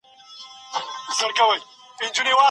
ميرمن بايد قاضي ته خپل شواهد وړاندي کړي.